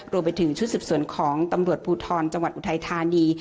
รวมไปถึงชุดสืบสวนของตำรวจภูทรจังหวัดอุทัยธานี